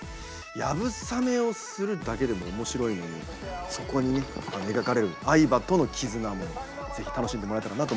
流鏑馬をするだけでも面白いのにそこに描かれる愛馬との絆もぜひ楽しんでもらえたらなと思います。